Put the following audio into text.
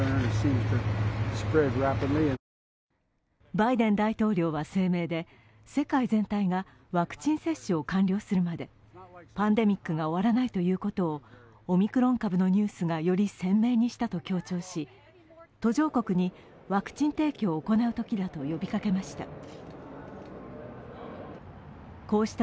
バイデン大統領は声明で、世界全体がワクチン接種を完了するまでパンデミックが終わらないということを、オミクロン株のニュースがより鮮明にしたと強調し、途上国にワクチン提供を行うときだと呼びかけました。